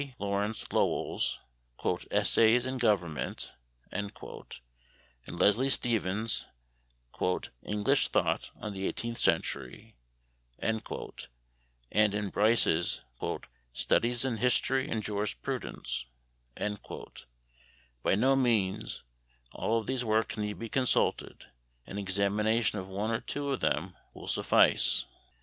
Lawrence Lowell's "Essays in Government," in Leslie Stephen's "English Thought in the Eighteenth Century," and in Bryce's "Studies in History and Jurisprudence." By no means all of these works need be consulted; an examination of one or two of them will suffice.